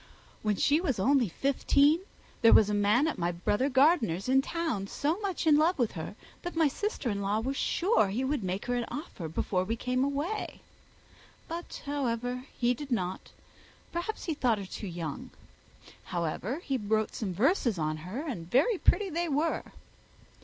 When she was only fifteen there was a gentleman at my brother Gardiner's in town so much in love with her, that my sister in law was sure he would make her an offer before we came away. But, however, he did not. Perhaps he thought her too young. However, he wrote some verses on her, and very pretty they were."